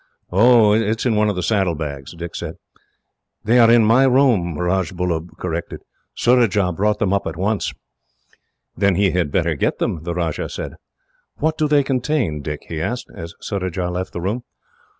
"It is in one of the saddlebags," Dick said. "They are in my room," Rajbullub corrected. "Surajah brought them up at once." "Then he had better get them," the Rajah said. "What do they contain, Dick?" he asked, as Surajah left the room.